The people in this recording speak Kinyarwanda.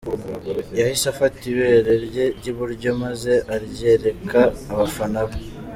Yahise afata ibere rye ry’iburyo maze aryereka abafana be.